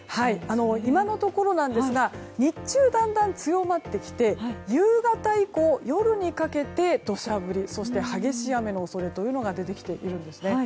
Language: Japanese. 今のところなんですが日中、だんだん強まってきて夕方以降、夜にかけて土砂降りそして激しい雨の恐れが出てきているんです。